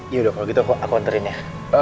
yaudah kalau gitu aku anterin ya